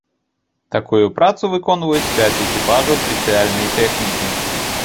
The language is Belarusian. Такую працу выконваюць пяць экіпажаў спецыяльнай тэхнікі.